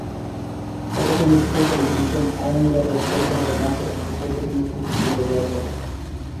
কলকাতার নৃত্যপরিচালক বিক্রম আয়েঙ্গারের পরিচালনায় নাচের অংশে কত্থক নৃত্যশৈলী ব্যবহার করা হয়েছে।